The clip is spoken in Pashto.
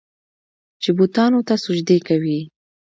چې بوتانو ته سجدې کوي.